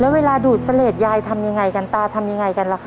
เวลาดูดเสลดยายทำยังไงกันตาทำยังไงกันล่ะครับ